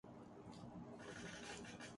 وہ گاڑی کے حادثے میں زخمی ہوئی تھی